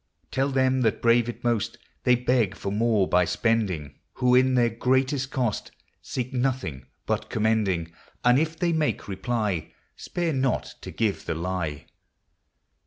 Tell them that brave it most They beg for more by spending, 22S POEMS OF SENTIMENT, Who in their greatest cost Seek nothing but commending ; And if they make reply, Spare not to give the lye.